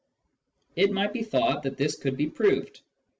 It might be thought that this could be proved.